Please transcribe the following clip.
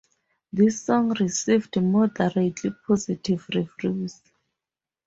This song received moderately positive reviews.